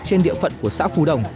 trên địa phận của xã phù đồng